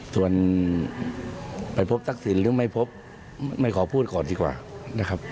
ส่วนไปพบทักษิณหรือไม่พบไม่ขอพูดก่อนดีกว่านะครับ